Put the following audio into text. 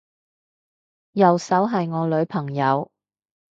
右手係我女朋友